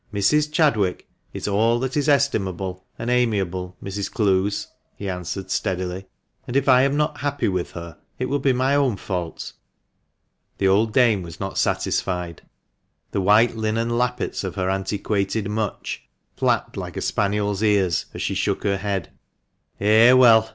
Miss Chadwick is all that is estimable and amiable, Mrs. Clowes," he answered steadily, "and if I am not happy with her it will be my own fault." The old dame was not satisfied. The white linen lappets of her antiquated mutch flapped like a spaniel's ears as she shook her head. "Eh, well!"